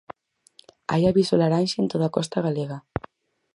Hai aviso laranxa en toda a costa galega.